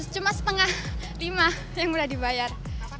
cuma setengah lima yang udah dibayar